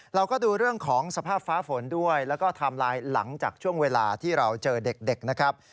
เราก็ดูเรื่องของสภาพฟ้าฝนด้วยแล้วก็ไทม์ไลน์หลังจากช่วงเวลาที่เราเจอเด็กนะครับ